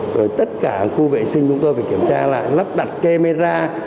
rồi tất cả khu vệ sinh chúng tôi phải kiểm tra lại lắp đặt camera